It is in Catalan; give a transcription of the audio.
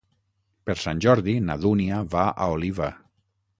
Per Sant Jordi na Dúnia va a Oliva.